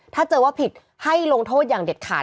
ถ้าเจอว่าผิดให้ลงโทษอย่างเด็ดขาด